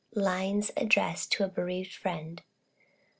LINES ADDRESSED TO A BEREAVED FRIEND.